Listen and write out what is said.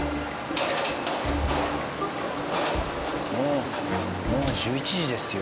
もうもう１１時ですよ。